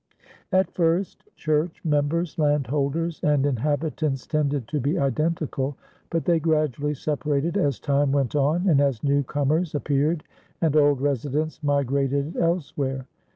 At first, church members, landholders, and inhabitants tended to be identical, but they gradually separated as time went on and as new comers appeared and old residents migrated elsewhere.